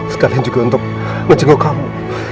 sekalian juga untuk menjenguk kamu